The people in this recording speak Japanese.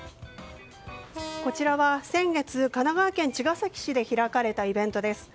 こちらは先月神奈川県茅ケ崎市で開かれたイベントです。